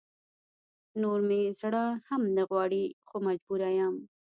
نور مې زړه هم نه غواړي خو مجبوره يم